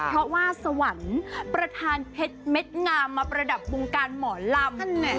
เพราะว่าสวรรค์ประธานเพชรเม็ดงามมาประดับวงการหมอลำ